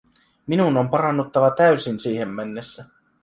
Minun on parannuttava täysin siihen mennessä.